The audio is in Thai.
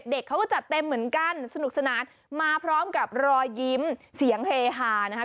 เด็กเขาก็จัดเต็มเหมือนกันสนุกสนานมาพร้อมกับรอยยิ้มเสียงเฮฮานะคะ